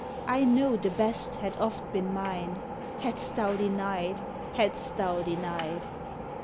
I know the best had oft been mine Hadst Thou denied! Hadst Thou denied!